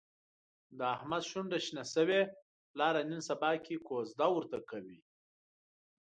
د احمد شونډه شنه شوې، پلار یې نن سباکې کوزده ورته کوي.